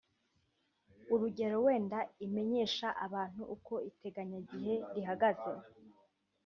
urugero wenda imenyesha abantu uko iteganyagihe rihagaze